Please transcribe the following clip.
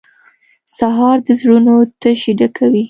سهار د زړونو تشې ډکوي.